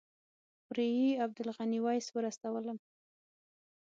خوريي عبدالغني ویس ورسولم.